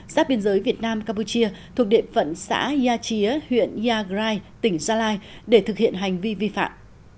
sát biên giới việt nam cabuchia thuộc địa phận xã yachia huyện yagrai tỉnh gia lai để thực hiện hành vi vi phạm